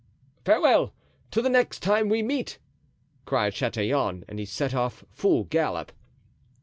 "Farewell, till the next time we meet," cried Chatillon, and he set off, full gallop.